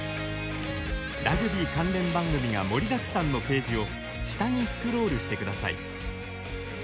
ラグビー関連番組が盛りだくさんのページを下にスクロールしてください。